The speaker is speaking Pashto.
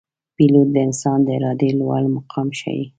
پیلوټ د انسان د ارادې لوړ مقام ښيي.